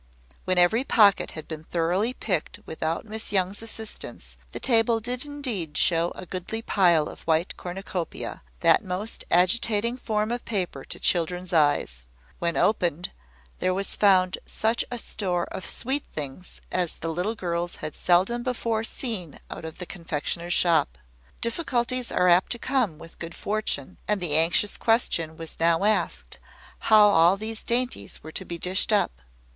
When every pocket had been thoroughly picked without Miss Young's assistance, the table did indeed show a goodly pile of white cornucopia, that most agitating form of paper to children's eyes. When opened, there was found such a store of sweet things as the little girls had seldom before seen out of the confectioner's shop. Difficulties are apt to come with good fortune; and the anxious question was now asked, how all these dainties were to be dished up.